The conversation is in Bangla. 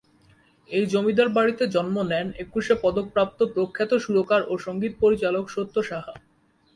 এই জমিদার বাড়িতে জন্ম নেন একুশে পদকপ্রাপ্ত প্রখ্যাত সুরকার ও সঙ্গীত পরিচালক সত্য সাহা।